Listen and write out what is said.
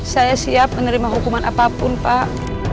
saya siap menerima hukuman apapun pak